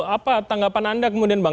apa tanggapan anda kemudian bang